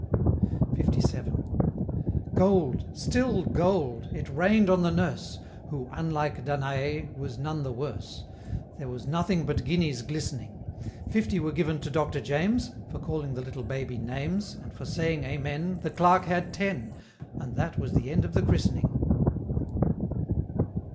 LVII. Gold! still gold! it rained on the nurse, Who unlike Danäe was none the worse! There was nothing but guineas glistening! Fifty were given to Doctor James, For calling the little Baby names, And for saying, Amen! The Clerk had ten, And that was the end of the Christening.